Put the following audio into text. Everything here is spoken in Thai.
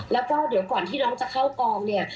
แล้วก็เดี๋ยวก่อนที่น้องจะเข้ากองเนี่ย